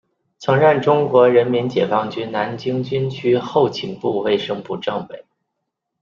曾任中国人民解放军南京军区后勤部卫生部政委。